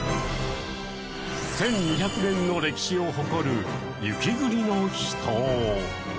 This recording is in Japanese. １２００年の歴史を誇る雪国の秘湯。